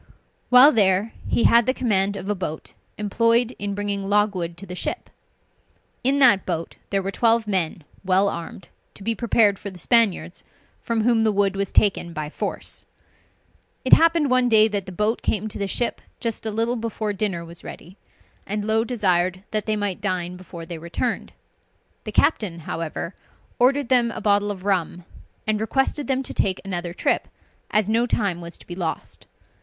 While there, he had the command of a boat employed in bringing logwood to the ship. In that boat there were twelve men well armed, to be prepared for the Spaniards, from whom the wood was taken by force. It happened one day that the boat came to the ship just a little before dinner was ready, and Low desired that they might dine before they returned. The captain, however, ordered them a bottle of rum, and requested them to take another trip, as no time was to be lost.